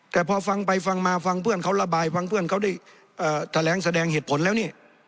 แต่พอฟังไปฟังมาฟังเพื่อนเขาระบายฟังเพื่อนเขาได้แถลงแสดงเหตุผลแล้วเนี่ย